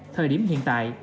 thời điểm hiện tại